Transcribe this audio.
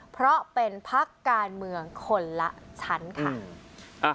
เพราะเป็นพักการเมืองคนละชั้นค่ะ